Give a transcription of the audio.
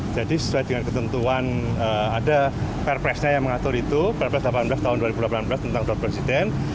jadi sesuai dengan ketentuan ada perpresnya yang mengatur itu perpres delapan belas tahun dua ribu delapan belas tentang dokter presiden